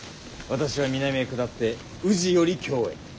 私は南へ下って宇治より京へ。